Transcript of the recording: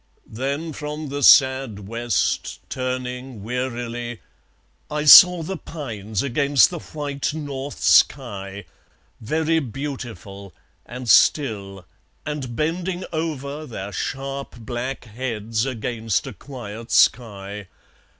Then from the sad west turning wearily, I saw the pines against the white north sky, Very beautiful, and still, and bending over Their sharp black heads against a quiet sky.